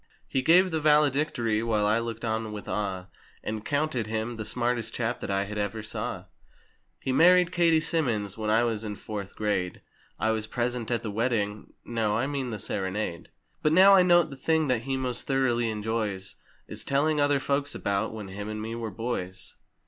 He gave the "valedictory" while I looked on with awe, And counted him, 'The smartest chap that I had ever saw.' He married Katie Simmons when I was in "Fourth Grade"— I was present at the wedding—no, I mean the sere¬ nade. But now I note the thing that he most thoroughly enjoys Is telling other folks about, "When him and me were boys!"